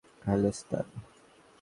Hello, স্ট্যান।